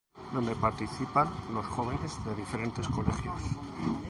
Donde participan los jóvenes de diferentes colegios.